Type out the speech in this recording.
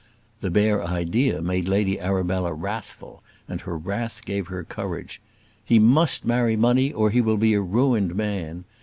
The bare idea made Lady Arabella wrathful, and her wrath gave her courage. "He must marry money, or he will be a ruined man.